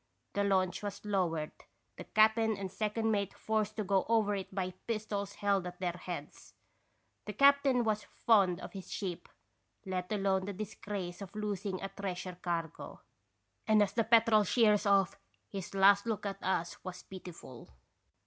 The launch was lowered, the cap'n and second mate forced to go over into it by pistols held at their heads. The cap'n was fond of his ship, let alone the disgrace of losing a treasure cargo, and as the Petrel sheers off his last look at us was pitiful.